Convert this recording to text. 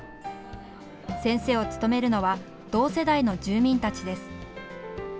先生を務めるのは、同世代の住民たちです。